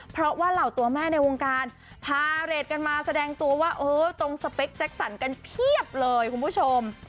เพราะว่าเหล่าตัวแม่ในวงการพาเรทกันมาแสดงตัวว่าเออตรงสเปคแจ็คสันกันเพียบเลยคุณผู้ชม